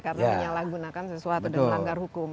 karena menyalahgunakan sesuatu dan menanggar hukum